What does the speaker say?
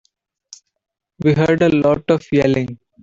We heard a lot of yelling.